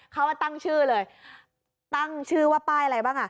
เขาตั้งชื่อเลยตั้งชื่อว่าป้ายอะไรบ้างอ่ะ